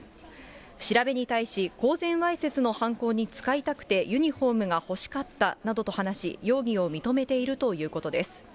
調べに対し、公然わいせつの犯行に使いたくてユニホームが欲しかったなどと話し、容疑を認めているということです。